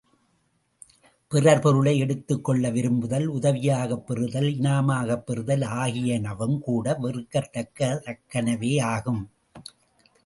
பிறர் பொருளை எடுத்துக்கொள்ள விரும்புதல், உதவியாகப் பெறுதல், இனாமாகப் பெறுதல் ஆகியனவும்கூட வெறுக்கத் தக்கனவேயாம்.